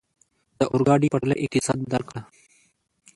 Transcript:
د اورګاډي پټلۍ اقتصاد بدل کړ.